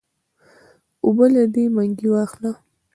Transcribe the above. اوبۀ له دې منګي واخله